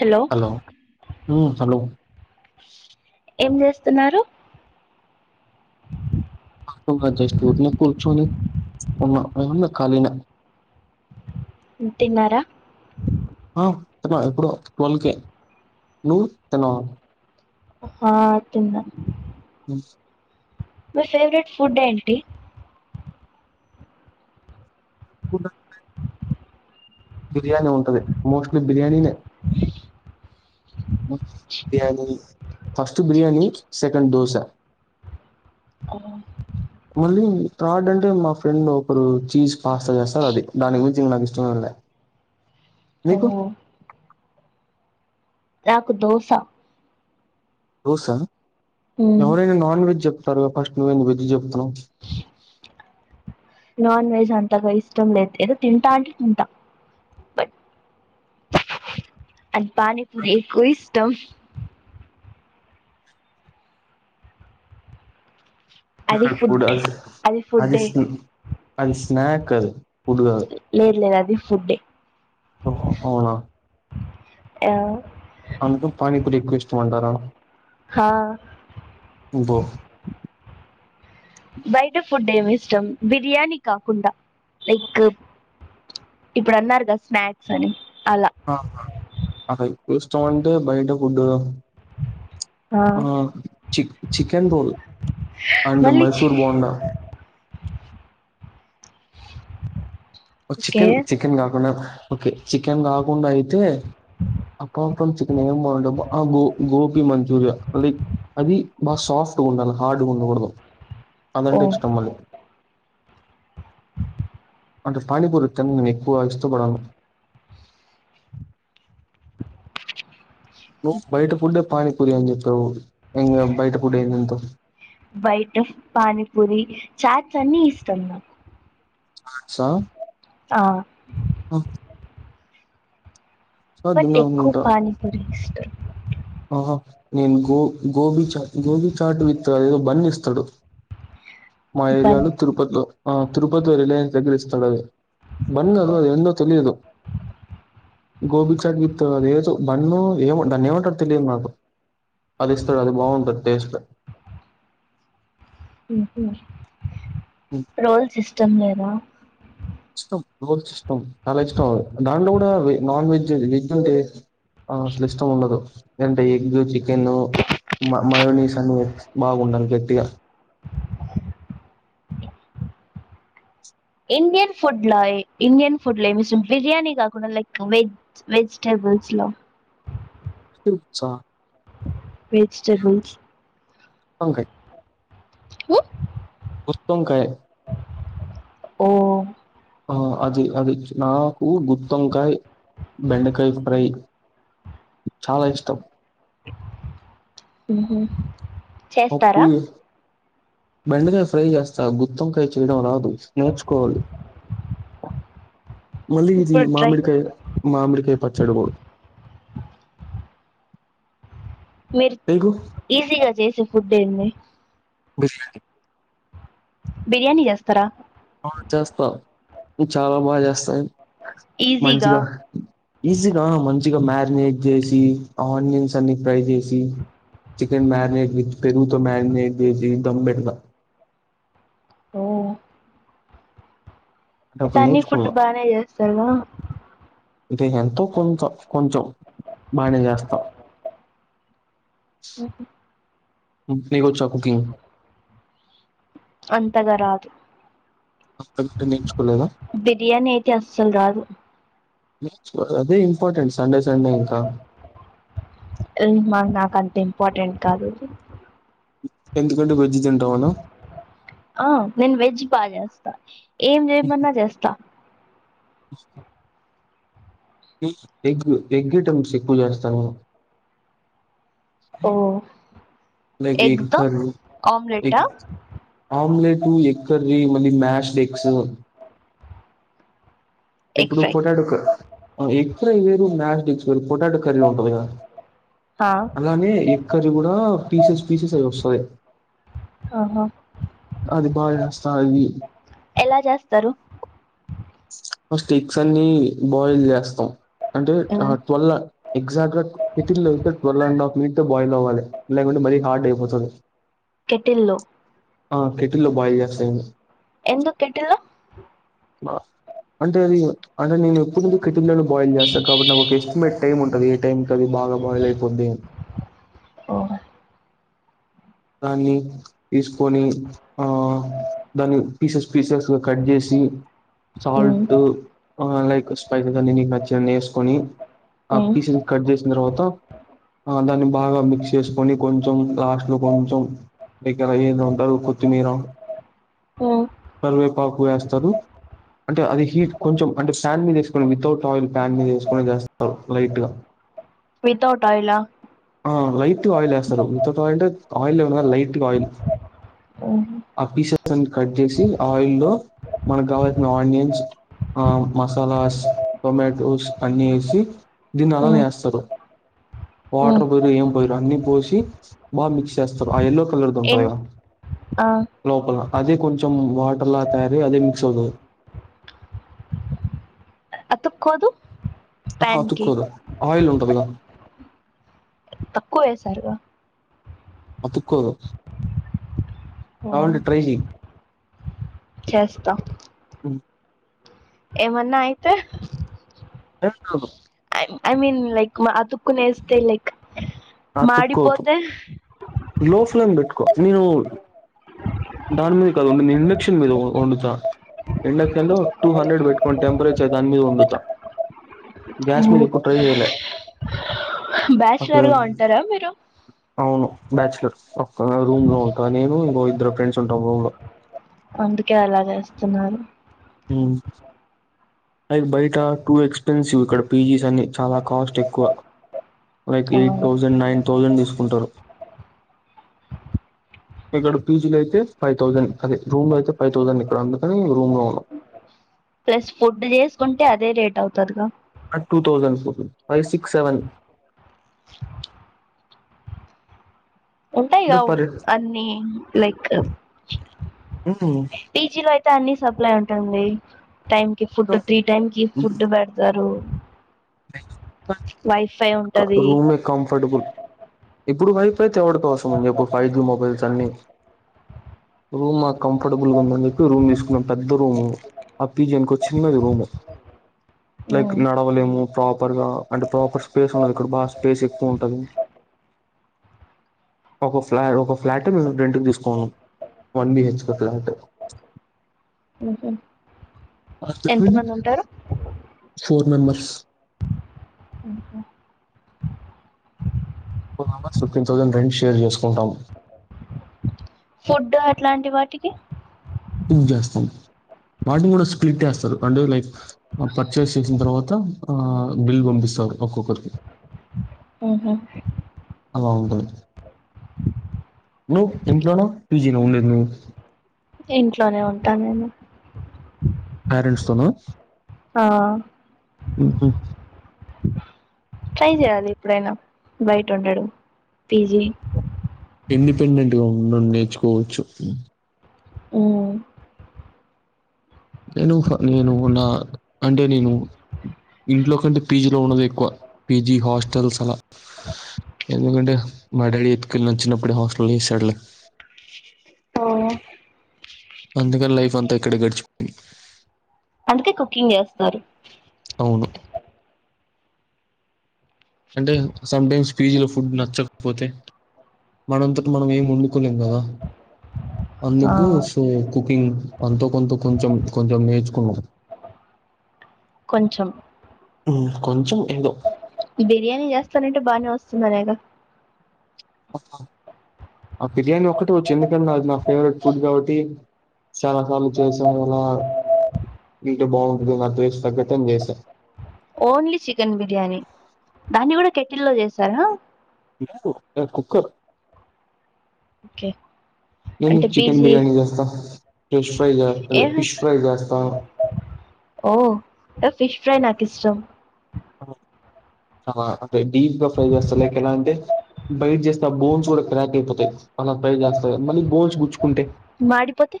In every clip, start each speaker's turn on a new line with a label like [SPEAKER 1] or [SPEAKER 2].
[SPEAKER 1] Hello
[SPEAKER 2] hello ఊ [unintelligible]
[SPEAKER 1] ఏం చేస్తున్నారు.
[SPEAKER 2] ఉన్న జస్ట్ ఊర్నే కూర్చొని ఉన్న ఓన్లీ కాళీనా
[SPEAKER 1] ఉ తిన్నారా
[SPEAKER 2] ఆ తిన్నా ఎప్పుడో ట్వల్వ కేే నువ్వు తిన్నావా
[SPEAKER 1] ఉప్మా తిన్నా
[SPEAKER 2] అ
[SPEAKER 1] మీ ఫేవరెట్ ఫుడ్ ఏంటి
[SPEAKER 2] కూకట్ బిర్యానీ ఉంటది మోస్ట్లీ బిర్యానీ నే most biryani first biryani second dosa
[SPEAKER 1] అవునా
[SPEAKER 2] మళ్ళీ ఫ్రాడ్ అంటే మా ఫ్రెండ్ ఒకరు చీజ్ పాస్తా చేస్తార్ అది దాని గురించి ఇంగ నాకు చూల్య
[SPEAKER 1] అవునా నాకు దోశ
[SPEAKER 2] దోసా ఎవరైనా నాన్ వెజ్ చెప్తరు ఫస్ట్ నువ్వేమో వెజ్ చెప్తున్నవ్
[SPEAKER 1] నాన్ వెజ్ అంతగా ఇష్టం లేదు. ఏదో తింటా అంటే తింటా బట్ నాక్ పానీపూరి ఎక్కువ ఇష్టం
[SPEAKER 2] ఫెవరెట్ ఫుడ్ యాజ్
[SPEAKER 1] అది ఫుడ్డే
[SPEAKER 2] అదిస్ని అది స్నాక్ అది ఫుడ్డు కాదు
[SPEAKER 1] లేదు లేదు అది ఫుడ్డే
[SPEAKER 2] ఓహో అవునా.
[SPEAKER 1] యా
[SPEAKER 2] అందుకు పానీపూరి ఎక్కువ ఇష్టంమంటారా
[SPEAKER 1] హా
[SPEAKER 2] నువుబో
[SPEAKER 1] బయట ఫుడ్ ఏం ఇష్టం, బిర్యానీ కాకుండా లైక్ ఇప్పుడు అన్నారుగా స్నాక్స్ అని అలా
[SPEAKER 2] ఆహా నాకేం ఇష్టం అంటే బయట ఫుడ్ ఆ చి చికెన్ రోల్ అండ్
[SPEAKER 1] మళ్ళీ
[SPEAKER 2] మైసూర్ బోండా. ఓ
[SPEAKER 1] ఓకే
[SPEAKER 2] చికెన్ చికెన్ కాకుండా ఓకే చికెన్ కాకుండా అయితే ఆ పాప్ కార్న్ చికన్ ఏం బావుండదు, ఆ గో గోబి మంచూరియా. లైక్ అది బాగా సాఫ్ట్ గా ఉండాల, హార్డ్ గా ఉండకూడదు
[SPEAKER 1] ఓ
[SPEAKER 2] అదంటే ఇష్టం మళ్ళీ. అంటే పానిపూరి తినను నేను ఎక్కువగా ఇష్టపడను. నువ్వు బయట ఫుడ్డే పానిపూరి అని చెప్పావు ఇంగ బయట ఫుడ్ ఏందింతవు.
[SPEAKER 1] బయట పానీపూరి, చాట్స్ అన్నీ ఇష్టం నాకు.
[SPEAKER 2] చాట్సా
[SPEAKER 1] ఆ
[SPEAKER 2] అ
[SPEAKER 1] బట్ ఎక్కువ
[SPEAKER 2] తిన్నానుకుంటా
[SPEAKER 1] పానీపురి ఇష్టం.
[SPEAKER 2] ఆహా నేను గో గోభి చాట్ గోభీ చాట్ విత్ అది ఎదో బన్ ఇస్తడు. మా
[SPEAKER 1] బన్
[SPEAKER 2] ఏరియాలో తిరుపతిలో, ఆ తిరుపతి రిలయాన్స్ దగ్గర ఇస్తడు అవి. బన్ కాదు అది ఎందో తెలియదు. గోబి చాట్ విత్ అదేదో బన్నో ఏమో దాన్ని ఏమంటరు తెలియదు నాకు, అది ఇస్తడు అది బావుంటది టేస్ట్.
[SPEAKER 1] రోల్స్ ఇష్టం లేదా?
[SPEAKER 2] ఇష్టం రోల్స్ ఇష్టం, చాలా ఇష్టం అవి. దాంట్లో కూడా నాన్ వెజ్, వెజ్ అంటే ఆ అసలు ఇష్టం ఉండదు. లేదంటే ఎగ్, చికెన్, మమయోనీస్ అన్ని బాగుండాలి గట్టిగా.
[SPEAKER 1] ఇండియన్ ఫుడ్ల ఇండియన్ ఫుడ్ల ఏం ఇష్టం బిర్యానీ కాకుండా లైక్ వె వెజ్టేబుల్స్ లో.
[SPEAKER 2] [unintelligible]
[SPEAKER 1] వెజిటెబుల్స్.
[SPEAKER 2] వంకాయ్.
[SPEAKER 1] ఉ.
[SPEAKER 2] గుత్తొంకాయ్.
[SPEAKER 1] ఓ
[SPEAKER 2] ఆ అది అది నాకు గుత్తోంకాయి, బెండకాయ ఫ్రై. చాలా ఇష్టం.
[SPEAKER 1] ఉహ్.
[SPEAKER 2] పప్పు, బెండకాయ ఫ్రై చేస్ తా, గుత్తొంకాయ చేయడం రాదు, నేర్చుకోవాలి. మళ్ళీ ఇది
[SPEAKER 1] ఇప్పుడు ట్రై
[SPEAKER 2] మామిడికాయ, మామిడికాయ పచ్చడ కూడ.
[SPEAKER 1] మీరు
[SPEAKER 2] ఎందుకు?
[SPEAKER 1] ఈజీగా చేసే ఫుడ్ ఏంది?
[SPEAKER 2] బిర్యాని.
[SPEAKER 1] బిర్యానీ చేస్తరా.
[SPEAKER 2] ఆ చేస్తా చాలా బాగా చేస్తా నేను
[SPEAKER 1] ఈజీగా
[SPEAKER 2] మంచిగా. ఈజీగ మంచిగ మ్యారినేట్ చేసి ఆనియన్స్ అన్ని ఫ్రై చేసి చికెన్ మ్యారినేట్ విత్ పెరుగుతో మారినేట్ చేసి దమ్ పెడత
[SPEAKER 1] ఓ అయితే
[SPEAKER 2] అంటేప్పుడు
[SPEAKER 1] అన్ని
[SPEAKER 2] నేర్చుకున్నా
[SPEAKER 1] ఫుడ్ బానే చేస్తారుగా
[SPEAKER 2] టె ఎంతో కొంత కొంచెం బానే చేస్తా మీకొచ్చా కుకింగ్
[SPEAKER 1] అంతగ రాదు
[SPEAKER 2] అంతకంటే నేర్చుకోలేదా
[SPEAKER 1] బిర్యానీ అయితే అస్సలు రాదు
[SPEAKER 2] చ్ అ అదే ఇంపార్టెంట్ సండే సండే ఇంకా
[SPEAKER 1] ఏం మర్ నాకంత ఇంపార్టెంట్ కాదు
[SPEAKER 2] ఎందుకంటే బజ్జి తింటావ నువ్
[SPEAKER 1] ఆ నేను వెజ్ బా చేస్తా ఏం చేయమన్న చేస్తా
[SPEAKER 2] బస్ ఎగ్ ఎగ్ ఐటమ్స్ ఎక్కువ చేస్తావా
[SPEAKER 1] ఓ
[SPEAKER 2] లైక్ ఎగ్
[SPEAKER 1] ఎగ్తో
[SPEAKER 2] కర్రీ
[SPEAKER 1] ఆమ్లేటా
[SPEAKER 2] ఎగ్ ఆమ్లెట్, ఎగ్ కర్రీ, మళ్ళీ మ్యాష్డెగ్స్
[SPEAKER 1] ఎగ్
[SPEAKER 2] ఇప్పుడు
[SPEAKER 1] ఫ్రై
[SPEAKER 2] పొటాటో క ఎగ్ ఫ్రై వేరు మ్యాష్డేగ్స్ వేరు పొటాటో కర్రీ ఉంటది కదా
[SPEAKER 1] ఆ
[SPEAKER 2] అలానే ఎగ్ కర్రి కూడా పీసెస్ పీసెస్ అవి వస్తది
[SPEAKER 1] ఆహా
[SPEAKER 2] అది బాగ చేస్తా ఇయ్యి
[SPEAKER 1] ఎలా చేస్తరు
[SPEAKER 2] స్టిక్స్ ఎగ్స్ అన్ని బాయిల్ చేస్తాం అంటే అహ
[SPEAKER 1] ఉమ్
[SPEAKER 2] ట్వెల్ల ఎక్సాక్ట్ గా కేటిల్ లో అయితే twelve and half minute boil అవ్వాలి లేకుంటే మరీ హార్డ్ అయిపోతది
[SPEAKER 1] కెటిల్లో
[SPEAKER 2] ఆ కేటిల్లో బాయిల్ చేస్తా ఇంగ
[SPEAKER 1] ఎందుకు కెటిల్లో
[SPEAKER 2] బా అంటే అది అంటే నేను ఎప్పుడ్నుంచొ కెటిల్లోనే బాయిల్ చేస్త కాబట్టి నాకు ఒక ఎస్టిమేట్ టైమ్ ఉంటుంది ఏ టైం కది బాగ బాయిల్ అయిపోద్ది అని
[SPEAKER 1] ఓహొ
[SPEAKER 2] దాన్ని తీసుకొని ఆ దాన్ని పీసెస్ పీసెస్గ కట్ జేసి
[SPEAKER 1] ఉమ్
[SPEAKER 2] సాల్ట్ ఆ లైక్ స్పైసెస్ అన్ని నీకు నచ్చినన్ని ఏసుకొని ఆ
[SPEAKER 1] ఉమ్
[SPEAKER 2] పీసెస్ కట్ జేసిన్తర్వాత ఆ దాన్ని బాగ మిక్స్ చేసుకొని కొంచెం లాస్ట్ లో కొంచెం దగ్గర ఏందొ అంటరు కొత్తిమీర
[SPEAKER 1] ఉమ్
[SPEAKER 2] కర్వేపాకు వేస్తరు అంటే అది హీట్ కొంచెం అంటే ఫ్యాన్ మీద ఏసుకొని వితౌట్ ఆయిల్ ఫ్యాన్ మీద ఏసుకొని చేస్తరు లైట్ గా
[SPEAKER 1] వితౌట్ ఆయిలా
[SPEAKER 2] ఆ లైట్గ ఆయిల్ ఏస్తరు విత్ అవుత్ ఆయిల్ అంటే ఆయిల్ లేకుండ గాద్ లైట్ గా ఆయిల్
[SPEAKER 1] ఉమ్
[SPEAKER 2] ఆ పీసెస్ అన్ని కట్ జేసి ఆయిల్లో మనకు కావాల్సిన ఆనియన్స్ ఆ మసాలాస్, టొమాటోస్ అన్ని ఏసి దీన్ని అలానే
[SPEAKER 1] ఉమ్
[SPEAKER 2] ఏస్తరు
[SPEAKER 1] ఉమ్
[SPEAKER 2] వాటర్ పోయరు ఏం పోయరు అన్ని పోసి బాగ మిక్స్ చేస్తరు ఆ ఎల్లో కలర్ది ఉంటది
[SPEAKER 1] ఎన్
[SPEAKER 2] కదా
[SPEAKER 1] ఆ
[SPEAKER 2] లోపల అది కొంచెం వాటర్ల తయారయి అదే మిక్స్ అవుతది
[SPEAKER 1] తుక్కోదు
[SPEAKER 2] ఆహ అతుక్కోదు ఆయిల్ ఉంటదిగా
[SPEAKER 1] తక్కువ ఏసారుగా
[SPEAKER 2] అతుక్కోదు
[SPEAKER 1] ఓ
[SPEAKER 2] కావాలంటే ట్రై చెయ్
[SPEAKER 1] చేస్తా
[SPEAKER 2] హ్మ్.
[SPEAKER 1] ఏమన్నా అయితే
[SPEAKER 2] ఏం కాదు
[SPEAKER 1] ఆఐ మీన్ లైక్ అతూకునేస్తే లైక్
[SPEAKER 2] అతుక్కొదు
[SPEAKER 1] మాడిపోతే
[SPEAKER 2] లో ఫ్లేమ్ పెట్టుకో నేను దాని మీద కద ఉండింది నేను ఇండేక్షన్ మీద వండుతా ఇండక్షన్ లో టూ హండ్రెడ్ పెట్టుకోని టెంపరేచర్ దాని మీద వండుతా గ్యాస్ మీద ఎప్పుడు ట్రై చేయలే
[SPEAKER 1] బ్యాచులర్ గా ఉంటారా మీరు
[SPEAKER 2] అవును బ్యాచలర్ ఒక్కనే రూమ్ లో ఉంటా నేను ఇంకో ఇద్దరు ఫ్రెండ్స్ ఉంటాం రూమ్ లో
[SPEAKER 1] అందుకే అలాగేస్తున్నారు
[SPEAKER 2] ఉమ్ అది బయట టూ ఎక్స్పెన్సివ్ ఇక్కడ పీజీస్ అన్ని చాలా కాస్ట్ ఎక్కువ లైక్
[SPEAKER 1] ఆ
[SPEAKER 2] ఎయిట్ థౌజండ్ నైన్ థౌజండ్ తీసుకుంటారు
[SPEAKER 1] [inaudible]
[SPEAKER 2] ఇక్కడ పీజీలో అయితే వ్థౌసండ్ అది రూమ్ లో అయితే ఫైవ్ థౌంసండ్ ఇక్కడ అందుకని రూమ్ లో ఉన్నాం
[SPEAKER 1] ప్లస్ ఫుడ్ చేసుకుంటే అదే రేట్ అవుతదిగా
[SPEAKER 2] ఆ two thousand food five six seven
[SPEAKER 1] ఉంటాయిగా
[SPEAKER 2] అంటే పర్
[SPEAKER 1] అన్ని లైక్ పిజీలో అయితే అన్ని సప్లై ఉంటుంది టైం కి ఫుడ్ త్రీ టైమ్ కి ఫుడ్ పెడతారు వైఫై
[SPEAKER 2] క
[SPEAKER 1] ఉంటది
[SPEAKER 2] రూమే కంఫర్టబుల్ ఇప్పుడు వైఫై తో ఎవడికి అవసరం ఉంది చెప్పు ఫైవ్ జీ మొబైల్స్ అన్ని రూమ్ మాకు కంఫర్టబుల్ గా ఉందని చెప్పి రూమ్ తీసుకున్నాం పెద్ద రూమ్ అ పిజీ అనుకో చిన్నది రూము లైక్ నడవలేము ప్రాపర్ గా అంటే ప్రాపర్ స్పేస్ ఉండదు ఇక్కడ బా స్పేస్ ఎక్కువ ఉంటది ఒక ఫ్లా ఒక ఫ్లాట్ మేము రెంట్ క తీసుకున్నాం వన్ బిహెచ్ కే ఫ్లాట్
[SPEAKER 1] ఉ హు
[SPEAKER 2] ఫోర్ మేంబర్స్
[SPEAKER 1] ఇంకా
[SPEAKER 2] four members fifteen thousand rent share చేసుకుంటాం
[SPEAKER 1] ఫుడ్ అట్లాంటి వాటికి
[SPEAKER 2] కుక్ చేస్తాం వాటిని కూడా స్ప్లిట్ ఏస్తారు అంటే లైక్ పర్చేస్ చేసిన తర్వాత ఆ బిల్ పంపిస్తారు ఒక్కొక్కరికి
[SPEAKER 1] ఉ హు
[SPEAKER 2] అ ఉంటది నువ్ ఇంట్లో న పి జీ న ఉండేది నువ్వు
[SPEAKER 1] ఇంట్లోనే ఉంటా నేను
[SPEAKER 2] పేరెంట్స్ తోనా
[SPEAKER 1] ఆ
[SPEAKER 2] ఉ హు
[SPEAKER 1] ట్రై చేయాలి ఎప్పుడైనా బయట ఉండడం పీజీ
[SPEAKER 2] ఇండిపెండెంట్ గా ఉండడం నేర్చుకోవచ్చు
[SPEAKER 1] ఉమ్
[SPEAKER 2] నేనుహ నేను నా అండే నేను ఇంట్లో కంటే పీ జీ లో ఉన్నదే ఎక్కువ పీ జీ హాస్టల్స్ అలా ఎందుకంటే మ డాడి ఎత్తుకెళ్లి నను చిన్నప్పుడు హాస్టలో వేశాడు
[SPEAKER 1] ఆ
[SPEAKER 2] అందుకని లైఫ్ అంతా ఇక్కడే గడిచ్
[SPEAKER 1] అందుకే కుకింగ్ జేస్తారు
[SPEAKER 2] అవును అంటే సమ్టైమ్స్ పీజీలో ఫుడ్ నచ్చకపోతే మనంతట మనం ఏం వండుకోలేం గదా
[SPEAKER 1] ఆ
[SPEAKER 2] అందుకు సో కుకింగ్ అంతో కొంతో కొంచెం కొంచెం నేర్చుకున్నా
[SPEAKER 1] కొంచం
[SPEAKER 2] మ్మ్ కొంచెం ఏదో
[SPEAKER 1] బిర్యానీ చేస్తానంటే బానే వస్తుందనేగా
[SPEAKER 2] ఆ బిర్యానీ ఒక్కటే వచ్చు ఎందుకటే అది నా ఫేవరెట్ ఫుడ్ గాబట్టి చాలా సార్లు చేసే అలా ఇంటే బాగుంటది నా టేస్ట్ కి తగ్గటని చేసా
[SPEAKER 1] ఓన్లీ చికెన్ బిర్యానీ దాన్ని గూడా కెటిల్లో చేసారా
[SPEAKER 2] లేదు నేను కుక్కర్
[SPEAKER 1] ఓకే
[SPEAKER 2] నేను
[SPEAKER 1] అంటే
[SPEAKER 2] చికెన్
[SPEAKER 1] పీజీ
[SPEAKER 2] బిర్యానీ జేస్తా ఫ్రెష్ ఫ్రై
[SPEAKER 1] ఏ
[SPEAKER 2] అదే ఫిష్ ఫ్రై జేస్త
[SPEAKER 1] ఓ ఫిష్ ఫ్రై నాకిష్టం
[SPEAKER 2] అలా అంటే డీప్గా ఫ్రై చేస్త లైక్ ఎలా అంటే బైట్ జేస్తా బోన్స్ గూడా క్రాక్ అయిపోతాయి అలా బై చేస్త మళ్ళీ బోన్స్ గుచ్చుకుంటే
[SPEAKER 1] మాడిపోతే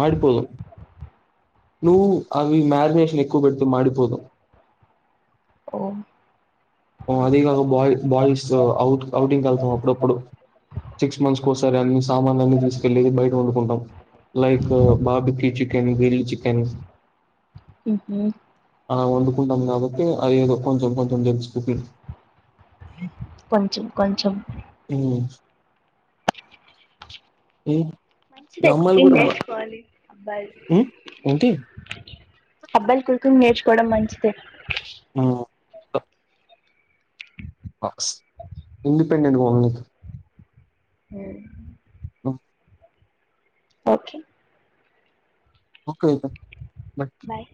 [SPEAKER 2] మడిపోదు నువ్వు అవి మ్యారినేషన్ ఎక్కువ బెడితే మాడిపోదు
[SPEAKER 1] ఓ
[SPEAKER 2] అదీ గాక బాయ్ బాయ్స్ అవుట్ ఔటింగెళ్తాం అప్పుడప్పుడు సిక్స్ మంత్స్ కోసారి అన్ని సామాన్లన్నీ తీసుకెళ్లి బయట వండుకుంటాం లైక్ బాబుకి చికెన్ గిల్ చికెన్
[SPEAKER 1] ఉహు
[SPEAKER 2] ఆ వండుకుంటాం గాబట్టి అదేదో కొంచెం కొంచెం [unintelligible]
[SPEAKER 1] కొంచెం కొంచం
[SPEAKER 2] ఉ హ్మ్.
[SPEAKER 1] మంచిదే కుకింగ్ చేసుకోవాలి అబ్బాయిలు
[SPEAKER 2] ఉమ్ ఏంటి
[SPEAKER 1] అబ్బాయిలు కుకింగ్ నేర్చుకోవడం మంచిదే
[SPEAKER 2] ఆ ఇండిపెండెంట్
[SPEAKER 1] ఉ
[SPEAKER 2] అ
[SPEAKER 1] ఓకే
[SPEAKER 2] ఓకే బయ్
[SPEAKER 1] బాయ్